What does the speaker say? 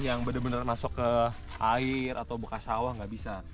yang benar benar masuk ke air atau buka sawah nggak bisa